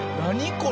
これ。